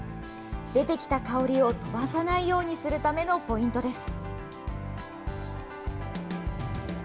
出てきた香りを飛ばさないようにするためのポイントです。